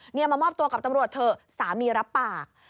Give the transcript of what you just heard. นี่มามอบตัวกับตำรวจเถอะสามีรับปาก